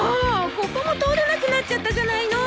ここも通れなくなっちゃったじゃないの！